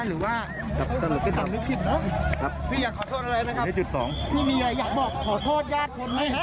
พี่อยากขอโทษอะไรไหมครับอยากบอกขอโทษญาติคนไหมนี่มีอะไรอยากบอกขอโทษญาติคนไหม